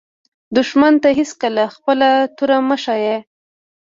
دښمن ته هېڅکله خپله توره مه ښایه